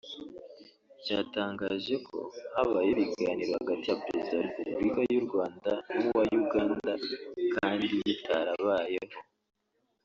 cyatangaje ko habayeho ibiganiro hagati ya Perezida wa Repubulika y’u Rwanda n’uwa Uganda kandi bitarabayeho